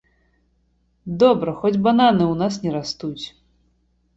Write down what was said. Добра, хоць бананы ў нас не растуць!